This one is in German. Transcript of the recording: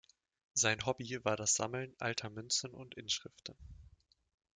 Sein Hobby war das Sammeln alter Münzen und Inschriften.